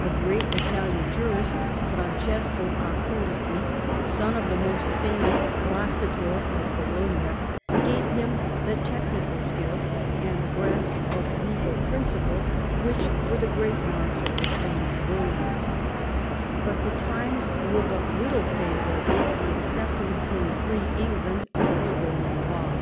A great Italian jurist, Francesco Accursi, son of the more famous Glossator of Bologna, gave him the technical skill and the grasp of legal principle which were the great marks of the trained civilian ; but the times were but little favourable to the acceptance in free England of the Eoman law.